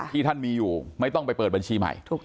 ที่ท่านมีอยู่ไม่ต้องไปเปิดบัญชีใหม่